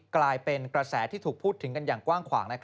กลายเป็นกระแสที่ถูกพูดถึงกันอย่างกว้างขวาง